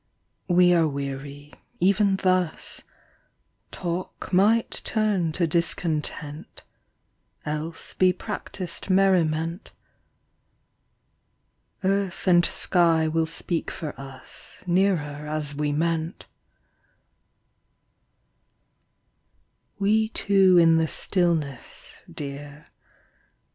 We are weary, even thus, Talk might turn to discontent Else be practised merriment : Earth and sky will speak for us Nearer as we meant We two in the stillness, dear.